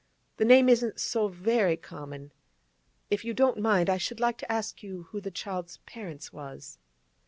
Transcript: The name isn't so very common. If you don't mind, I should like to ask you who the child's parents was.